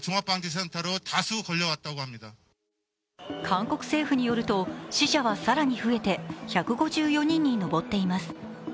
韓国政府によると死者は更に増えて１５４人に上っています。